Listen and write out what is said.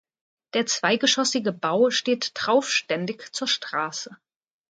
Der zweigeschossige Bau steht traufständig zur Straße.